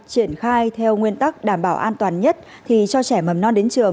triển khai theo nguyên tắc đảm bảo an toàn nhất thì cho trẻ mầm non đến trường